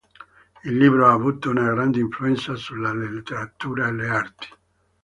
Il libro ha avuto una grande influenza sulla letteratura e le arti.